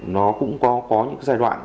nó cũng có những giai đoạn